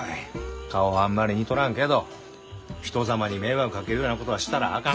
顔はあんまり似とらんけど人様に迷惑かけるようなことはしたらあかん。